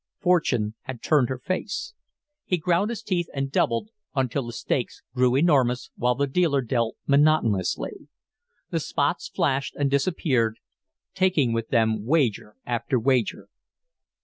Fortune had turned her face. He ground his teeth and doubled until the stakes grew enormous, while the dealer dealt monotonously. The spots flashed and disappeared, taking with them wager after wager.